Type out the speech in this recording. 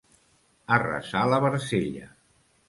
Arrasar la barcella.